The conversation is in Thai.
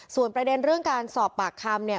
ส่วนประเด็นเรื่องการสอบปากคำเนี่ย